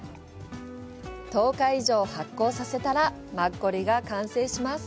１０日以上発酵させたらマッコリが完成します。